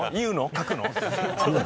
書くの？